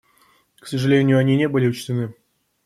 К сожалению, они не были учтены.